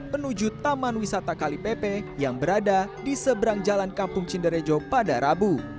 menuju taman wisata kalipepe yang berada di seberang jalan kampung cinderjo pada rabu